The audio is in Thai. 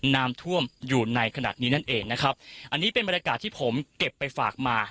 น้ำท่วมอยู่ในขณะนี้นั่นเองนะครับอันนี้เป็นบรรยากาศที่ผมเก็บไปฝากมา